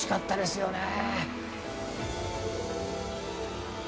惜しかったですよね。